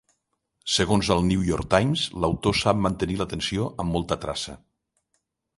Segons el "New York Times", "l'autor sap mantenir la tensió amb molta traça".